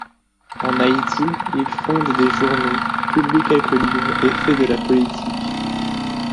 En Haïti, il fonde des journaux, publie quelques livres et fait de la politique.